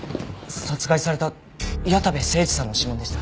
殺害された矢田部誠治さんの指紋でした。